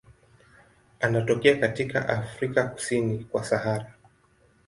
Anatokea katika Afrika kusini kwa Sahara.